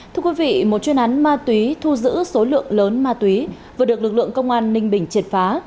thưa quý vị một chuyên án ma túy thu giữ số lượng lớn ma túy vừa được lực lượng công an ninh bình triệt phá